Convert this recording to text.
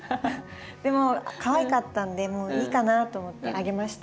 でもかわいかったんでもういいかなと思ってあげました。